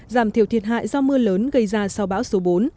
giảm thiểu thiệt hại do mưa lớn gây ra sau bão số bốn